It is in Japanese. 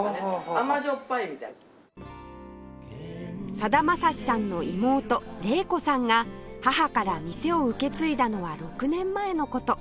さだまさしさんの妹玲子さんが母から店を受け継いだのは６年前の事